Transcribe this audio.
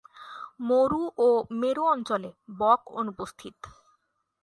মরু ও মেরু অঞ্চলে বক অনুপস্থিত।